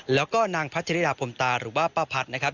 แล้วก็นางพัชริดาพรมตาหรือว่าป้าพัดนะครับ